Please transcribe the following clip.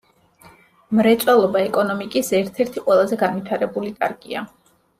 მრეწველობა ეკონომიკის ერთ-ერთი ყველაზე განვითარებული დარგია.